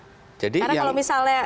karena kalau misalnya